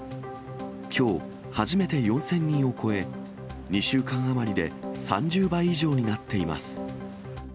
きょう、初めて４０００人を超え、２週間余りで３０倍以上になっています。